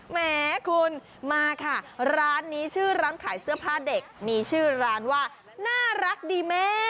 แหมคุณมาค่ะร้านนี้ชื่อร้านขายเสื้อผ้าเด็กมีชื่อร้านว่าน่ารักดีแม่